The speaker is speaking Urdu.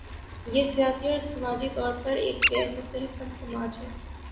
یہ سیاسی اور سماجی طور پر ایک غیر مستحکم سماج ہے۔